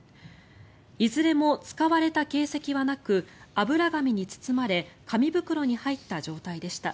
いずれも使われた形跡はなく油紙に包まれ紙袋に入った状態でした。